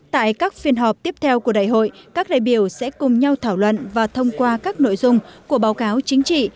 tại các phiên họp tiếp theo của đại hội các đại biểu sẽ cùng nhau thảo luận và thông qua các nội dung của báo cáo chính trị